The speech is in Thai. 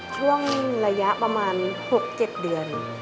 ช่วงระยะประมาณ๖๗เดือน